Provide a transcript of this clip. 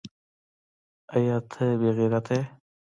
ایا ته بې غیرته یې ؟